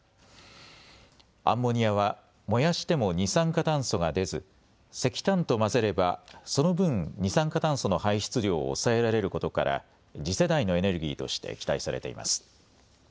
アンモニアは燃やしても二酸化炭素が出ず石炭と混ぜればその分二酸化炭素の排出量を抑えられることから次世代のエネルギーとして期待されています。